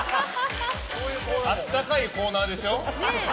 温かいコーナーでしょ？